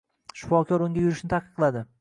Shifokor unga yurishni taqiqladi